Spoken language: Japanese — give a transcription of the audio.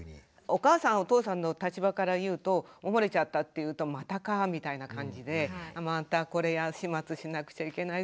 お母さんお父さんの立場から言うと漏れちゃったっていうとまたかみたいな感じでまたこれ始末しなくちゃいけない。